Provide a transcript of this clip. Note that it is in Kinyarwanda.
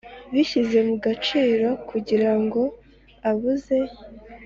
bishyize mu gaciro kugira ngo abuze